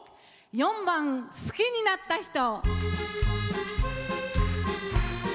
４番「好きになった人」。